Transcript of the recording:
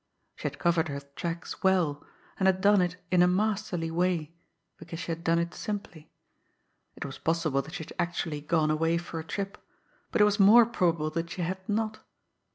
She had covered her tracks well and had done it in a masterly way because she had done it simply. It was possible that she had actually gone away for a trip; but it was more probable that she had not.